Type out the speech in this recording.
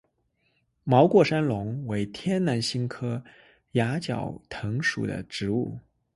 毛过山龙为天南星科崖角藤属的植物。